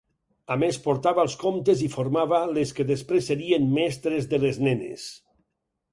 A més, portava els comptes i formava les que després serien mestres de les nenes.